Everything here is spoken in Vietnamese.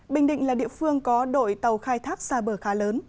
bình định là địa phương có đội tàu khai thác xa bờ khá lớn